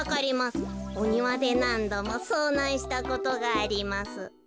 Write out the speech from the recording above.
おにわでなんどもそうなんしたことがあります」。